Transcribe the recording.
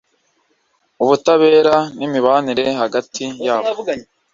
ubutabera n’imibanire hagati yabo